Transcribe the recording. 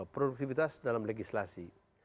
produktivitas dalam legislasi